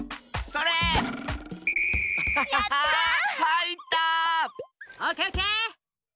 それっ！